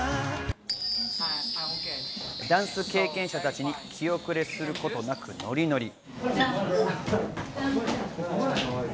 ダンス経験者たちに気おくれすることなく、ノリノリ。